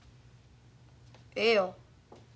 ええよ。